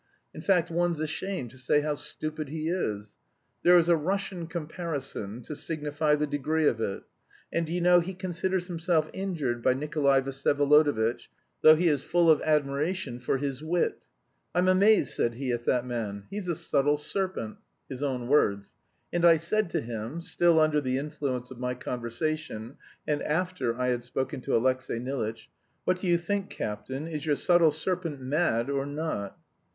in fact, one's ashamed to say how stupid he is; there is a Russian comparison, to signify the degree of it; and do you know he considers himself injured by Nikolay Vsyevolodovitch, though he is full of admiration for his wit. 'I'm amazed,' said he, 'at that man. He's a subtle serpent.' His own words. And I said to him (still under the influence of my conversation, and after I had spoken to Alexey Nilitch), 'What do you think, captain, is your subtle serpent mad or not?'